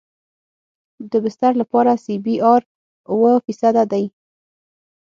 د بستر لپاره سی بي ار اوه فیصده دی